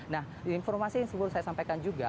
nah informasi yang selalu saya sampaikan juga